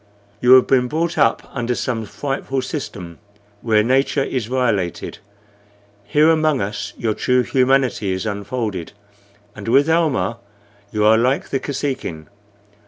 You have been brought up under some frightful system, where nature is violated. Here among us your true humanity is unfolded, and with Almah you are like the Kosekin.